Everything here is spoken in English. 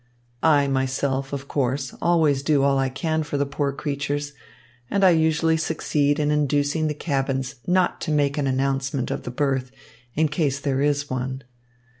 I myself, of course, always do all I can for the poor creatures, and I usually succeed in inducing the captains not to make an announcement of the birth, in case there is one.